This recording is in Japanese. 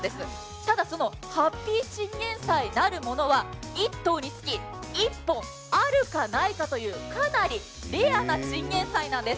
ただ、ハッピーチンゲンサイなるものは１棟につき１本あるかないかというかなりレアなチンゲンサイなんです。